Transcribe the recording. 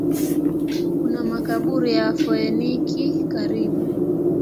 Kuna makaburi ya Wafoeniki karibu.